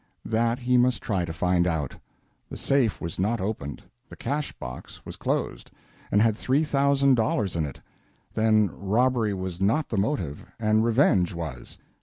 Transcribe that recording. That, he must try to find out. The safe was not open, the cash box was closed, and had three thousand dollars in it. Then robbery was not the motive, and revenge was.